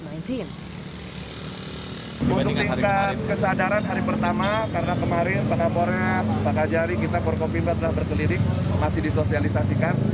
pada hari pertama kemarin pakar bornya pakar jari kita bor kopim telah berkelirik masih disosialisasikan